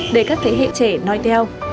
để các thế hệ trẻ nói theo